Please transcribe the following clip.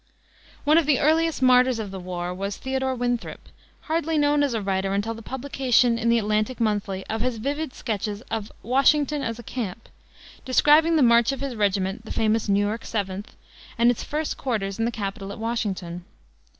One of the earliest martyrs of the war was Theodore Winthrop, hardly known as a writer until the publication in the Atlantic Monthly of his vivid sketches of Washington as a Camp, describing the march of his regiment, the famous New York Seventh, and its first quarters in the Capitol at Washington.